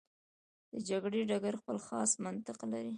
د جګړې ډګر خپل خاص منطق لري.